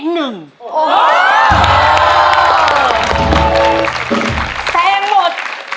แสงหมด